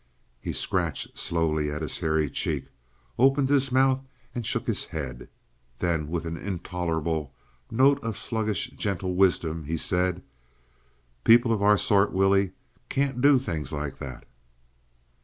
He scratched slowly at his hairy cheek, opened his mouth, and shook his head. Then, with an intolerable note of sluggish gentle wisdom, he said, "People of our sort, Willie, can't do things like that."